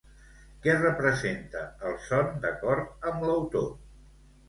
Què representa el son d'acord amb l'autor?